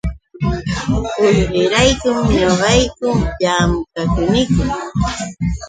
Qullqirayku ñuqayku llamkaniku.